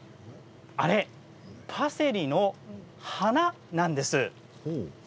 パセリの花なんです。